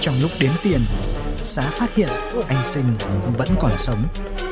trong lúc đếm tiền xá phát hiện anh sinh vẫn còn sống